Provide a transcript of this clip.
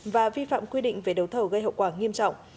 và vi phạm quy định về đấu thầu gây hậu quả nghiêm trọng